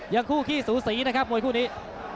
คู่ขี้สูสีนะครับมวยคู่นี้